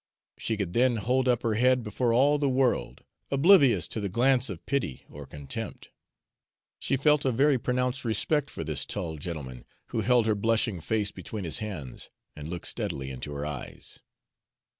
She could then hold up her head before all the world, oblivious to the glance of pity or contempt. She felt a very pronounced respect for this tall gentleman who held her blushing face between his hands and looked steadily into her eyes.